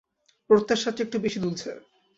প্রত্যাশার চেয়ে একটু বেশি দুলছে।